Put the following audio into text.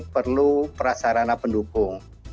perlu prasarana pendukung